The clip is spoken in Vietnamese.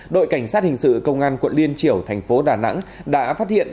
đội cảnh sát hình sự công an quận liên triểu thành phố đà nẵng đã phát hiện